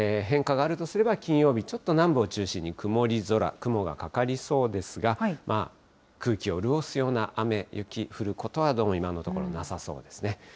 変化があるとすれば、金曜日、ちょっと南部を中心に曇り空、雲がかかりそうですが、空気を潤すような雨、雪、降ることはどうも今のところ、なさそうですね。